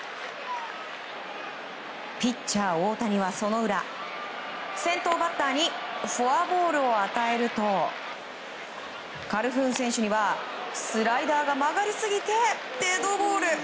ピッチャー大谷は、その裏先頭バッターにフォアボールを与えるとカルフーン選手にはスライダーが曲がりすぎてデッドボール。